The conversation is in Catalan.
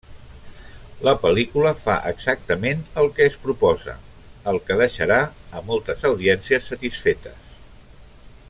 La pel·lícula fa exactament el que es proposa, el que deixarà a moltes audiències satisfetes.